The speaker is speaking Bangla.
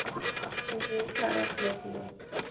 তুমি খারাপ লোক নও।